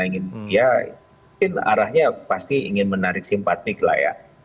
ya mungkin arahnya pasti ingin menarik simpatik lah ya